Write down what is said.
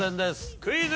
クイズ。